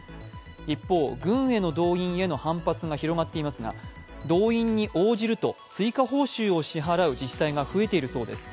一方、軍への動員への反発が広がっていますが、動員に応じると追加報酬を支払う自治体が増えているそうです。